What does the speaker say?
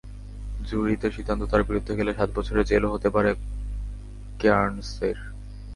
জুরিদের সিদ্ধান্ত তাঁর বিরুদ্ধে গেলে সাত বছরের জেলও হতে পারে কেয়ার্নসের।